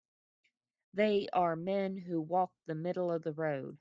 They are men who walk the middle of the road.